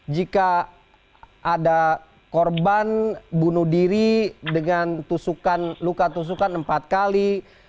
jika ada korban bunuh diri dengan luka tusukan empat kali